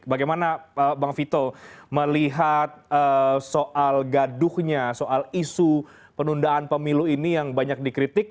bagaimana bang vito melihat soal gaduhnya soal isu penundaan pemilu ini yang banyak dikritik